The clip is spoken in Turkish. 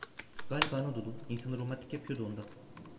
Galiba Anadolu, insanı romantik yapıyor da ondan…